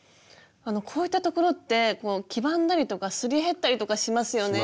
こういった所って黄ばんだりとかすり減ったりとかしますよね。